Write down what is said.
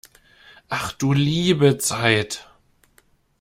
Ach du liebe Zeit!